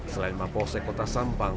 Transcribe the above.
selain maposek kota sampang